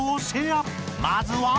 ［まずは］